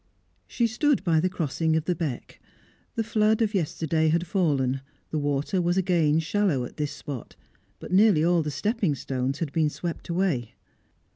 She stood by the crossing of the beck. The flood of yesterday had fallen; the water was again shallow at this spot, but nearly all the stepping stones had been swept away.